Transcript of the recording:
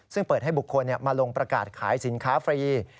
ซึ่งเปิดให้บุคคลมาลงประกาศขายสินค้าฟรี